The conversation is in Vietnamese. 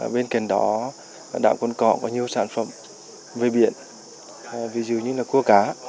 bên cạnh đó đảo cồn cỏ có nhiều sản phẩm về biển ví dụ như là cua cá